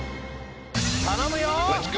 頼むよ！